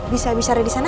bisa bicara disana